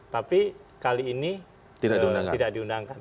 tapi kali ini tidak diundangkan